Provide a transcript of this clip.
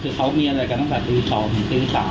ภูเขาเห็นเขาเห็นว่ามีคนนั่งอยู่ในใช่ค่ะ